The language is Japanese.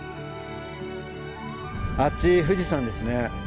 あっち富士山ですね。